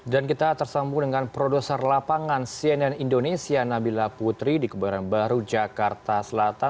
dan kita tersambung dengan produser lapangan cnn indonesia nabila putri di keburan baru jakarta selatan